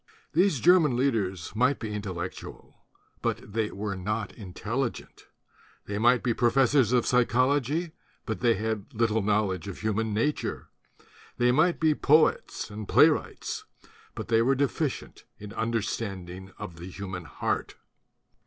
These German leaders might be intellectual; but they were not intelligent. They might be professors of psychology; but they had little knowledge of human nature. They might be poets and playwrights; but they were deficient in understanding of the human heart.